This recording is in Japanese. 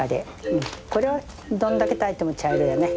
これはどんだけ炊いても茶色やね。